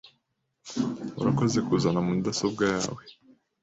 Urakoze kuzana mudasobwa yawe .